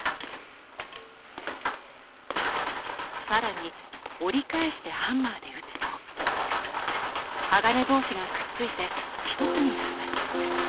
更に折り返してハンマーで打つと鋼同士がくっついて一つになります。